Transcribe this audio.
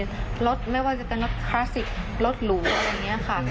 รถไม่ว่าจะเป็นรถคลาสสิกรถหรูอะไรอย่างนี้ค่ะ